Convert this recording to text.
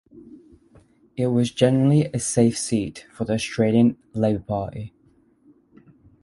It was generally a safe seat for the Australian Labor Party.